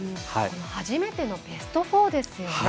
初めてのベスト４ですよね。